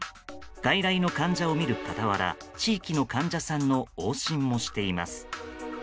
外来の患者を診る傍ら地域の患者さんの往診もしています。